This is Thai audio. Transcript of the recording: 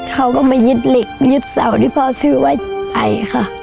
เขาก็มายึดเหล็กยึดเสาที่พ่อซื้อไว้ไอค่ะ